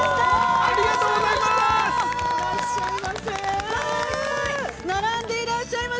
◆ありがとうございます。